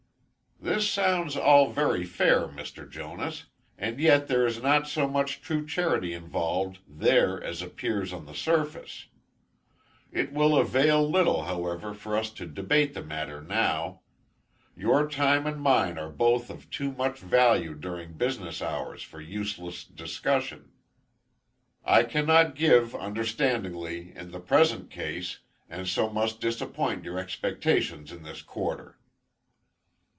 "This sounds all very fair, Mr. Jonas; and yet, there is not so much true charity involved there as appears on the surface. It will avail little, however, for us to debate the matter now. Your time and mine are both of too much value during business hours for useless discussion. I cannot give, understandingly, in the present case, and so must disappoint your expectations in this quarter."